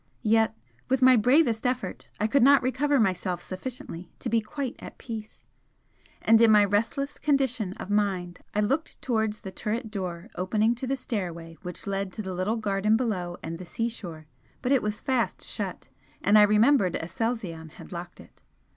Yet with my bravest effort I could not recover myself sufficiently to be quite at peace, and in my restless condition of mind I looked towards the turret door opening to the stairway which led to the little garden below and the seashore but it was fast shut, and I remembered Aselzion had locked it.